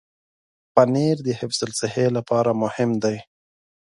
پنېر د حفظ الصحې لپاره مهم دی.